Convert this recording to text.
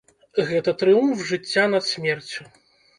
Гэта трыумф жыцця над смерцю.